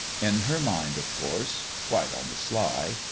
In her mind, of course : quite on the sly.